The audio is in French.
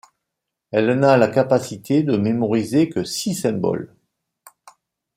Elle n'a la capacité de mémoriser que six symboles.